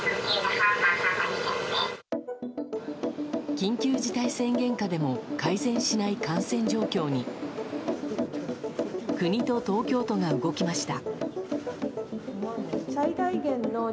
緊急事態宣言下でも改善しない感染状況に国と東京都が動きました。